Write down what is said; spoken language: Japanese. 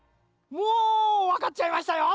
もうわかっちゃいましたよ！